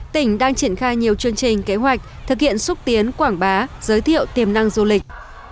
tỉnh đang triển khai nhiều chương trình kế hoạch thực hiện xúc tiến quảng bá giới thiệu tiềm năng du lịch